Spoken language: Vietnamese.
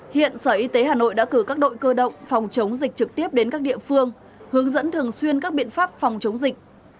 hiện sở y tế hà nội đã cử các đội cơ động phòng chống dịch trực tiếp đến các địa phương hướng dẫn thường xuyên các biện pháp phòng chống dịch